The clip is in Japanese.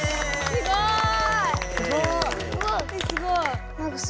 すごい！